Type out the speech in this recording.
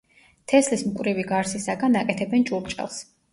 თესლის მკვრივი გარსისაგან აკეთებენ ჭურჭელს.